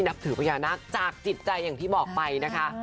นับถือพญานาคจากจิตใจอย่างที่บอกไปนะคะ